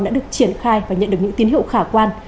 đã được triển khai và nhận được những tín hiệu khả quan